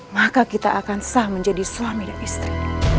maka kita akan sah menjadi suami dan istri